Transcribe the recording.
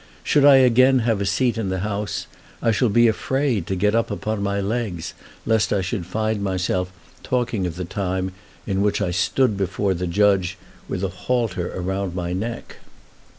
Should I again have a seat in the House I shall be afraid to get up upon my legs, lest I should find myself talking of the time in which I stood before the judge with a halter round my neck.